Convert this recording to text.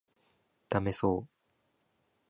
ダメそう